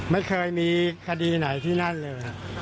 ไม่เคยมีคดีไหนที่นั่นเลยครับ